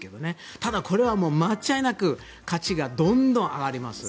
ただ、これはもう間違いなく価値がどんどん上がります。